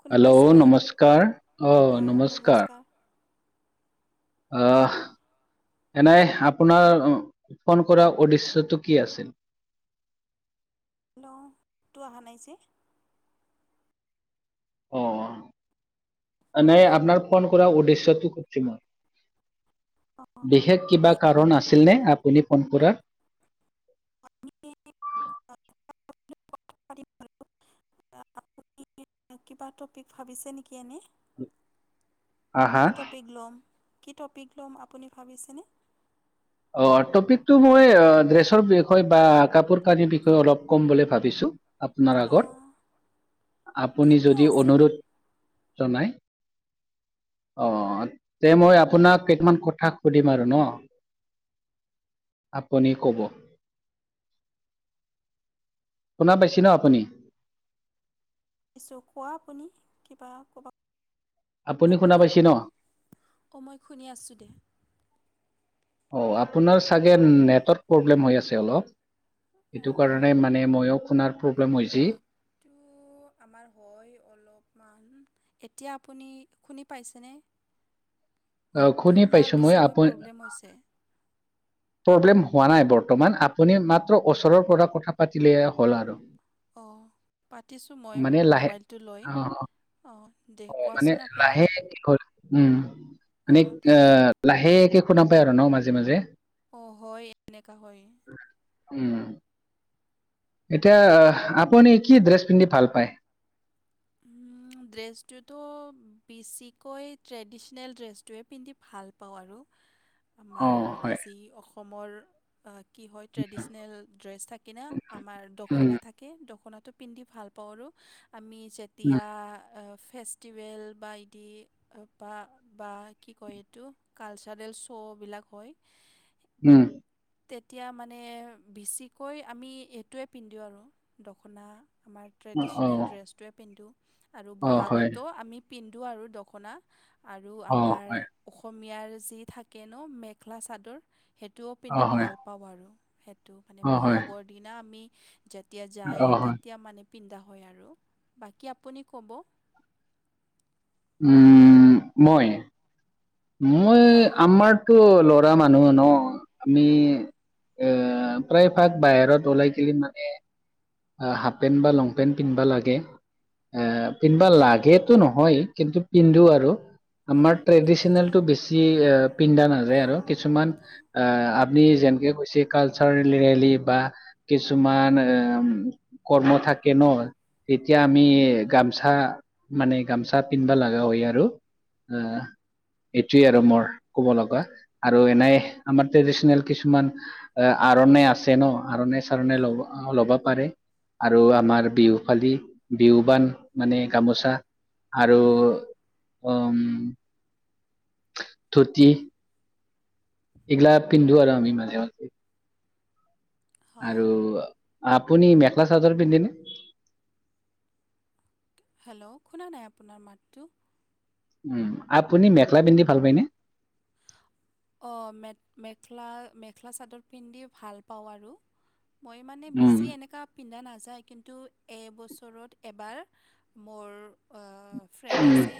শুনি হেল্ল' পাইছে নমস্কাৰ। অ', নমস্কাৰ। অহ। এনাই আপোনাৰ ফোন কৰা উদ্দেশ্যটো কি আছিল? [unintelligible] তো অহা নাই যে অ',। এনাই আপোনাৰ ফোন কৰা উদ্দেশ্যতো শুধছো মই? বিশেষ কিবা কাৰণ আছিলনে আপুনি ফোন কৰা? [unintelligible] আপুনি কিবা টপিক ভাবিছে নেকি? কেনে, আহা কি টপিক ল'ম? কি টপিক ল'ম, আপুনি ভাবিছেনে? অ', টপিকটো মই ড্ৰেছৰ বিষয়ে বা কাপোৰ কানিৰ বিষয়ে অলপ ক'ম বুলি ভাবিছো? আপোনাৰ আগত, অঁ আপুনি ঠিকে যদি আছে অনুৰোধ জনাই। অ', তে মই আপোনাক কেইটামান কথা সুধিম আৰু নহ? আপুনি ক'ব। শুনা পাইছি নহ আপুনি? পিছে কোৱা আপুনি, কিবা কবা আপুনি শুনা পাইছে ন [unintelligible] মই শুনি আছোঁ দে। অ', আপোনাৰ চাগে নেটৰ্ প্ৰব্লেম হৈ আছে অলপ? সেইটো অঁ কাৰণে মানে, মইো শুনাৰ প্ৰব্লেম হৈছে নেটটো আমাৰ হয় অলপমান এতিয়া আপুনি শুনি পাইছেনে? অ শুনি মাতটোও পাইছো মই আপু বেছিকৈ প্ৰব্লেম হৈছে প্ৰব্লেম হোৱা নাই বৰ্তমান, আপুনি মাত্ৰ ওচৰৰ পৰা কথা পাতিলে হ'ল আৰু অ', পাতিছো মই মানে লাহে মোবাইলটো লৈ অ অ', দে অ মানে কোৱাচোন আপুনি লাহে কি হ'ল উম, মানে অঁ দে অ', লাহেকে শুননা পায় আৰু ন মাজে মাজে- অ', য় এনেককা হয়- উম, এতিয়া, আপুনি কি ড্ৰেছ পিন্ধি ভাল পায়? উম, ড্ৰেছটোতো, বেছিকৈ ট্ৰেডিশনেল ড্ৰেছটোৱে পিন্ধি ভাল পাওঁ আৰু অ আমাৰ হয় যি অসমৰ কি হয়, ট্ৰেডিচনেল ড্ৰেছ থাকে না আমাৰ দখোনা উম থাকে দখনাত টো পিন্ধি ভাল পাওঁ আৰু আমি উম যেতিয়া ফেষ্টষ্টিভেল বা এদি বা বা কি কয় এইটো কালচাৰেল শ্ব' [unintelligible] উম, তেতিয়া মানে বেছিকৈ আমি এইটোৱে পিন্ধো আৰু দখোনা আমাৰ অ ট্ৰেডিচনেল ড্ৰেছটোৱে পিন্ধোঁ আৰু অ হয় বহাগতো আমি [unintelligible] আৰু দখনা আৰু অ আমাৰ হয় অসমীয়াৰ যি থাকে ন, মেখেলা চাদৰ সেইটোও অ পিন্ধি হয় ভাল পাওঁ আৰু সটো মানে অ হয় ব'হাগৰ দিনা আমি যেতিয়া অ হয় যায়, অ হয় তেতিয়া মানে পিন্ধা হয় আৰু বাকী আপুনি ক'ব উম, মই মই, হয় আমাৰতো লৰা মানুহ ন আমি এ প্ৰায় ভাগ বাহিৰত ওলাই কি মানে হাফ পেণ্ট, বা লং পেণ্ট, পিন্ধিবা লাগে এ পিন্ধবা লাগেতো নহয় কিন্তু পিন্ধো আৰু অঁ আমাৰ পিন্ধা যায় ট্ৰেডিচনেলটো বেছি পিন্ধা নাযায় আৰু কিছুমান অঁ যেনেকে কৈ কালচা ৰেলী বা কিছুমান ক থাকে ন তেতিয়া আমি গামচা মানে গামচা পিন্ধবা লগা হয় আৰু অ', এইটোৱে আৰু মোৰ কব লগা আৰু এনোই আমাৰ ট্ৰেডিশনেল কিছুমান কাৰণ আছে ন আণ চাৰণে অঁ লব ল'ব পাৰে আৰু আমাৰ বিহু পালী বিহু বান মানে গামোচা আৰু হয় উম, ধুতি এইলা পিন্ধো আৰু আমি মাজে ম হয় আৰু আ আপনি মেখেলা চাদৰ পিন্ধ ন? হেল্ল' শুনা নাই আপোনাৰ মাতটো উ, আপুনি মেখেলা পিন্ধি ভাল পায়নে? অ', মেখেলা মেখেলা চাদৰ পিন্ধি ভাল পাওঁ আৰু মই মানে উম বেছি এনেকা পিন্ধা নাযানো যায়, কিন্তু এবছৰত এবাৰ মোৰ ফ্ৰেণ্ড উম আছে,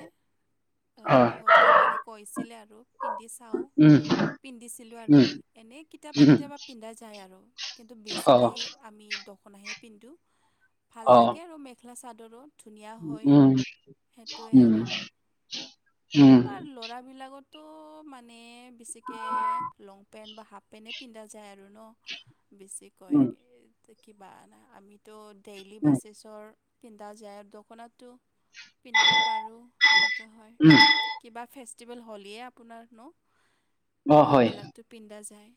অ ইহঁতে মানে কৈছিলে আৰু পিন্ধি চাওঁ। উম পিন্ধিছিলোঁ আৰু উম এনেই কেতিয়াবা উম কেতিয়াবা পিন্ধা যায় আৰু কিন্তু অ বেছিকেই আমি সখনাহে পিন্ধো ভাল অ লাগে আৰু মেখেলা চাদৰো ধুনীয়া হয় উম সেইটোৱে উম আৰু উম তোমাৰ ল'ৰা বিলাকত তো মানে বেছিকৈ লং পেণ্ট বা হাফ পেণ্টেই পিন্ধা যায় আৰু বেচি কয় উম কিবা আমিতো ডেইলী উম বেচিছৰ পিন্ধা যায় আৰু দখনাটো পিন্ধিব পাৰোঁ সেনেকুৱা হয় উম কিবা ফে ফেষ্টিভেল হ'লই আপোনাৰনো অ হয় সেইবিলাকতো পিন্ধা যায়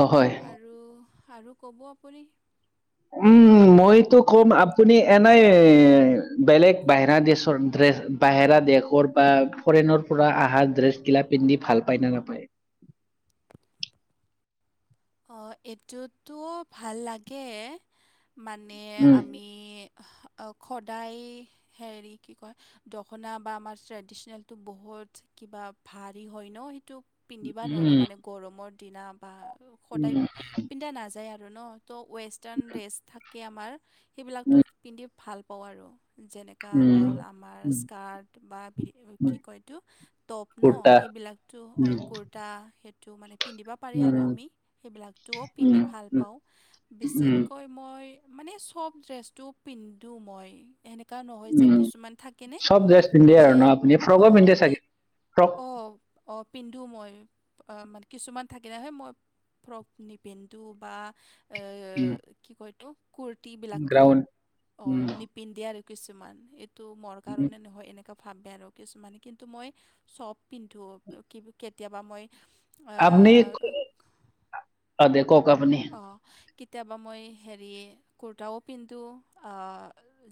অ হয় আৰু আৰু ক'ব আপুনি উম মইতো কম আপুনি এনোই বেলেগ বাহিৰা দেশৰ ড্ৰেছ বাহিৰা দেশৰ বা ফৰেনৰ পৰা আহা ড্ৰেছ গিলা পিন্ধি ভাল পায় নে নাপায় [inaudible] অ', এইটোতো ভাল লাগে মানে উম আমি সদায় হেৰি কি কয় দখনা বা আমাৰ ট্ৰেডিশনেলটো বহুত কিবা ভাৰি হয় ন সেইটো পিন্ধিবা নোৱাৰোঁ উম মানে গৰমৰ দিনা বা সদায় উম পিন্ধা নাযায় আৰু ন ত' ৱেষ্টাৰ্ণ ড্ৰেছ থাকে আমাৰ সেইবিলাকতো উম পিন্ধি ভাল পাওঁ আৰু যেনেকা উম হ'ল আমাৰ উম স্কাৰ্ট বা উম কি কয়টো টপ ন কুৰ্তা বিলাকতোঁ উম কুৰ্তা সেই মানে পিন্ধিব পাৰি আৰু উম আমি সেইবিলাকটোও উম পিন্ধি ভাল উম পাওঁ উম বেছিতকৈ মই মানে চব ড্ৰেছটো পিন্ধো মই এ এনেকা নহয় যে উম কিছুমান থাকেনে চব ড্ৰেছ পিন্ধে আৰু যে ন আপুনি ফ্ৰকো পিন্ধে অ' চাগে ফ্ৰক অ', অ', পিন্ধো মই মান কিছুমান থাকিলেহে মই ফ্ৰক নিপিন্ধো বা এ উম কি কয়তো কুৰ্ত বিিলাকতো গ্ৰাউন অ উম নিপিন্ধিয়ে আৰু কিছুমান এইটো মোৰ উম কাৰণে নহয় এনে ভাবে আৰু কিছুমানে কিন্তু মই চব পিন্ধো কেতিয়াবা মই আপনি অ' দে কওক আপুনি অঁ কেতিয়াবা মই হেৰি কুৰ্তাও পিন্ধো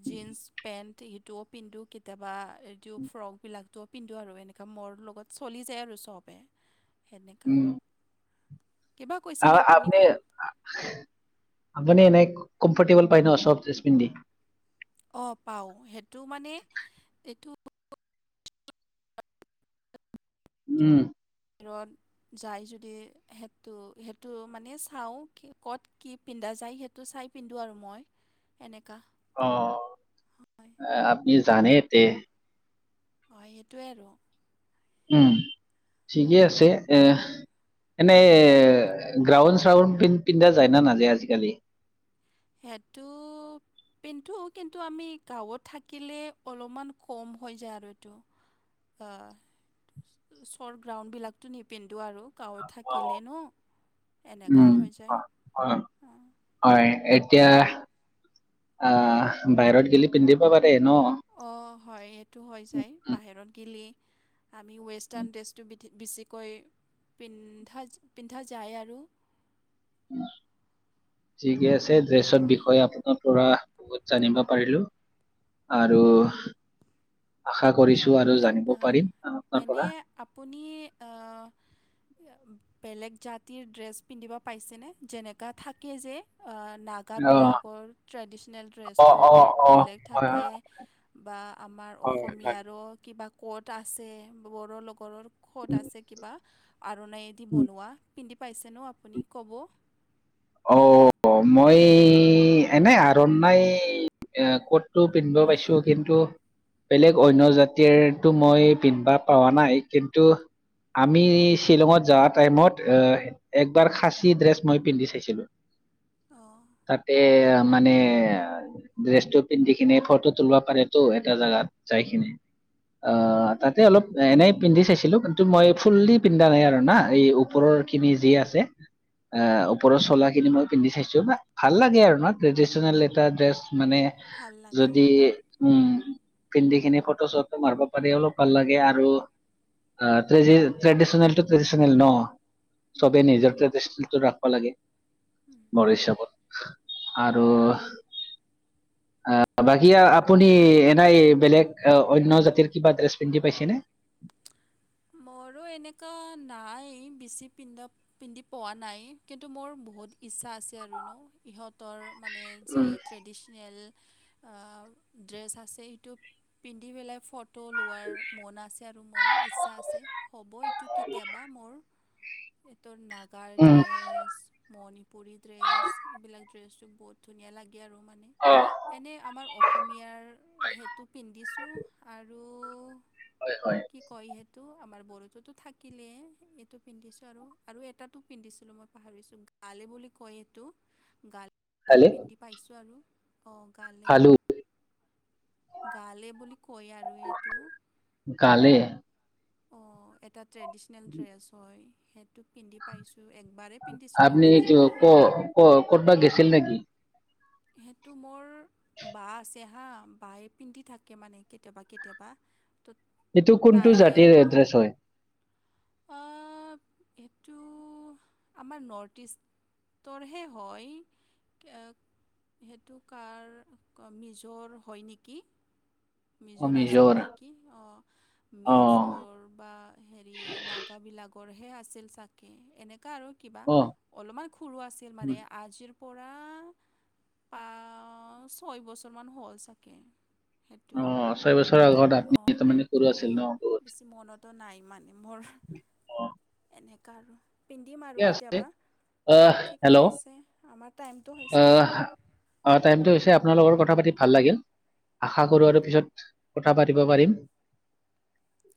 জিন্স পেণ্ট সেইটোও পিন্ধো কেতিয়াবা এইটো ফ্ৰক বিলাকটোও পিন্ধো আৰু এনেকা মোৰ লগত চলি যায় আৰু সবে সেনেকা উম কিবা কৈছিলে আপুনি কওক আপুনি এনেই কমফৰ্টেবল পায় ন চফ্টেছ পিন্ধি অ', পাও সেইটো মানে এইটো উম বাহিৰত যায় যদি সেইটো সেইটো মানে চাওঁ ক'ত কি পিন্ধা যাই সেইেতু চাই পিন্ধো আৰু মই এনেক অ', আপনি জানে তে হয় সেইটোৱে আৰু উম ঠিকেই আছে এ এনেই গ্ৰাউণ্ড চ্ৰাউণ্ডন্ পিন্ধা যায় না নাযায় আজিকালি সেইটো পিন্ধু কিন্তু আমি গাঁৱত থাকিলে অলপমান কম হৈ যায় আৰু এইটো চৰ্ট গ্ৰাউণ্ডবিলাকতো নিপিন আৰু গাওঁত অ থাকিলে নো এনেকুৱা উম হৈ যায় অ অ অ' হয় এতিয়া আহ বাহিৰত গেলি পিন্ধিব পাৰে ন অ', হয় এইটো হৈ উম, যায় উম, বাহিৰত গিলি আমি উম, ৱেষ্টাৰ্ণ ড্ৰেছটো বি বেছিকৈ পিন্ধা পিন্ধা যায় আৰু। ঠিকে আছে, ড্ৰেছৰ অ, বিষয়ে আপোনাৰ পৰা বহুত জানিব পাৰিলোঁ আৰু আশা কৰিছো আৰু এ জানিব পাৰিম আপোনাৰ এনে পৰা আপুনি বেলেগ জাতিৰ ড্ৰেছ পিন্ধিব পাইছেনে? যেনেকা থাকে যে অ নাগাবিলাকৰ ট্ৰেডিচনেল অ ড্ৰেছটো অ অলপ অ বেলেগ হয় থাকে, বা আমাৰ হয় হয় হয় অসমীয়াৰো কিবা ক'ত আছে, বড়ো লগৰৰ কত আছে কিবা, আৰুণাইদি বনোৱা পিন্ধি পাইছে ন' আপুনি ক'ব। অ', মই এনে আৰণ নাই এ ক'তটো পিন্ধিব পাইছোঁ কিন্তু বেলেগ অন্য জাতিৰটো মই পিন্ধবা পাৱা নাই কিন্তু আমি শ্বিলঙত যোৱা টাইমত, একবাৰ খাচী ড্ৰেছ মই পিন্ধি চাইছি লো। অ'। তাতেই মানে ড্ৰেছটো পিন্ধি কিনি ফটো তুলব পাৰে টো এটা জোগাত। চাইখিনি। অ', তাতেই অলপ এনেই পিন্ধি চাইছিলোঁ। কিন্তু মই ফুল্লি পিন্ধা নাই আৰু না এই ওপৰৰ খিনি যি আছে, অ', ওপৰৰ চোলা খিনি মই পিন্ধি চাইছোঁ, বা ভাল লাগে আৰু ন', ট্ৰেডিচনেল এটা ড্ৰেছ। মানে ভাল যদি লাগে উম, পিন্ধি খিনি ফটো চটো মাৰিব পাৰি, অলপ ভাল লাগে আৰু। অ', ট্ৰেডিচনেলটো ট্ৰেডিচনেল ন'। চবেই নিজৰ ট্ৰেডিচনেলটো ৰাখিব লাগে। মোৰ হিচাপত, আৰু [inaudible] অ', বাকি আপুনি এনেই বেলেগ, অন্য জাতিৰ কিবা ড্ৰেছ পিন্ধি পাইছেনে? [inaudible] মোৰো এনেকুৱা নাই, বেছি পিন্ধা পিন্ধি পোৱা নাই, কিন্তু মোৰ বহুত ইচ্ছা আছে আৰুনো, ইহঁতৰ মানে যি উম ট্ৰেডিচনেল অ', ড্ৰেছ আছে, সেইতো পিন্ধি পেলাই ফট ট' লোৱাৰ মন আছে আৰু মোৰ, ইচ্ছা আছে, হ'ব এইটো কেতিয়াবা মোৰ। [unintelligible] নাগাৰ উম ড্ৰেছ, মণিপুৰী ড্ৰেছ, এইবিলাক ড্ৰেছটো বহুত ধুনীয়া লাগে আৰু মানে, অ এনেই আমাৰ অসমীয়াৰ সেইটো পিন্ধিছোঁ আৰু হয় হয় কি কয় টো আমাৰ বড়তোতো থাকিলে এইটো পিন্ধিছোঁ আৰু, আৰু এটাতো পিন্ধিছিলোঁ মই পাহৰিছোঁ। গালে বুলি কয় সেইটো গাল টো খালে পিন্ধি পাইছোঁ আৰু, অ', গালে। খালো গালে বুলি কয় আৰু এইটো। [unintelligible] অ', এটা ট্ৰেডিচনেল ড্ৰেছ হয়, সেইটো পিন্ধি পাইছোঁ। একবাৰেই পিন্ধিছিলোঁ আপনি মানে ক, ক, ক'তবা গেছিল নেকি? সেইটো মোৰ বা আছে হা, বায়ে পিন্ধি থাকে মানে কেতিয়াবা কেতিয়াবা। তো এইটো কোনটো জাতিৰ ড্ৰেছ হয়। অ', সেইটো আমাৰ নৰ্থ ইষ্ট টৰহে হয়। সেইটো কাৰ, মিজ'ৰ হয় নেকি? মিজৰ আছিল নেকি? অ', অ মিজৰ বা হেৰি নাগাবলাক কৰহে আছিল চাগে, এনেকুৱা আৰু কিবা অ অলপমান সৰু আছিল উম, মানে, আজিৰ পৰা পা, ছয় বছৰমান হ'ল চাগে। সেইটো। অ ছয় বছৰৰ আগত আপুনি অ', তাৰমানে সৰু আছিল ন অঁ', বহুত বেছি মনতো নাই মানে মোৰ অ এনেকুৱা আৰু। পিন্ধিম আৰু ঠিকে আছে কেতিয়াবা, আহ ঠিকে হেল্ল' আছে, আমাৰ টাইমটো হৈছে। আহ অ', টাইমটো হৈছে। আপোনাৰ লগত কথা পাতি ভাল লাগিল, আশা কৰো আৰু পিছত কথা পাতিব পাৰিম।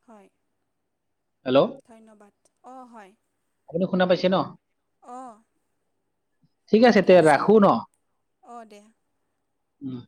হয়। হেল্ল' ধন্যবাদ, অঁ', হয়। আপুনি শুনা পাইছে ন'। অঁ', ঠিক ঠিকে তে আছে, ৰাখো ন অঁ', দে। উম।